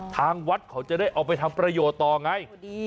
ทางวัดเขาจะได้เอาไปทำประโยชน์ต่อไง